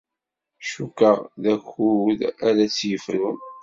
Cukkeɣ d akud ara tt-yefrun.